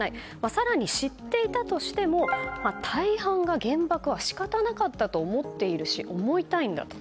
更に、知っていたとしても大半が原爆は仕方なかったと思っているし思いたいんだと。